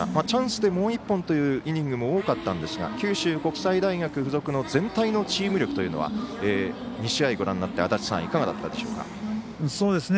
チャンスでもう一本というイニングも多かったんですが九州国際大付属の全体のチーム力というのは２試合ご覧になって足達さんいかがだったでしょうか。